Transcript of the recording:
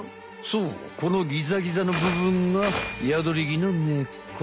そうこのギザギザのぶぶんがヤドリギの根っこ。